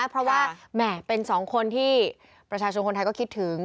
เพราะว่าแหม่เป็นสองคนที่ประชาชนคนไทยก็คิดถึง